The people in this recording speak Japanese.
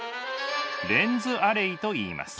レンズアレイといいます。